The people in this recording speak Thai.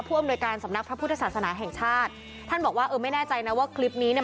อำนวยการสำนักพระพุทธศาสนาแห่งชาติท่านบอกว่าเออไม่แน่ใจนะว่าคลิปนี้เนี่ย